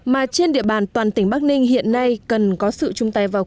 mà trên địa bàn toàn tỉnh bắc ninh hiện nay cần có sự chung tay vào